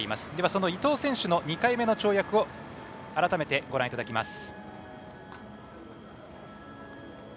その伊藤選手の、２回目の跳躍を改めてご覧いただきます。